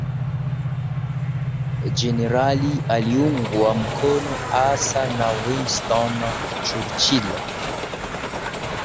Jenerali aliungwa mkono hasa na Winston Churchill